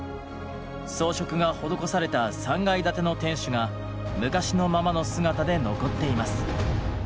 装飾が施された３階建ての天守が昔のままの姿で残っています。